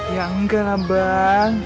ya enggak lah bang